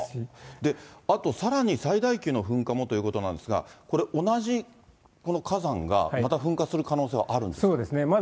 あとさらに、最大級の噴火もということなんですが、これ、同じこの火山がまた噴火する可能性そうですね。